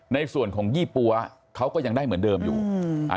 ในส่วนของยี่ปั๊วเขาก็ยังได้เหมือนเดิมอยู่อืมอ่า